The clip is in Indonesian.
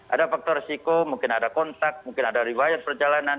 ada faktor resiko mungkin ada kontak mungkin ada revit perjalanan